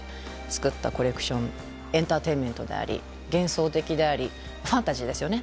エンターテインメントであり幻想的でありファンタジーですよね。